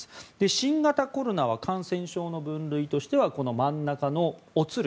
新型コロナは感染症の分類としてはこの真ん中の乙類